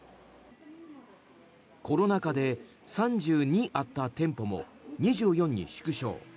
コロナ禍で３２あった店舗も２４に縮小。